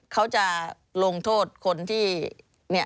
เขาจะลงโทษคนที่